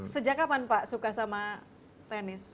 sejak kapan pak suka sama tenis